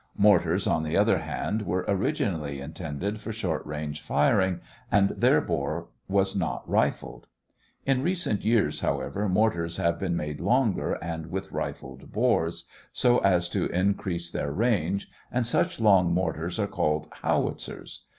Mortars, on the other hand, were originally intended for short range firing, and their bore was not rifled. In recent years, however, mortars have been made longer and with rifled bores, so as to increase their range, and such long mortars are called "howitzers."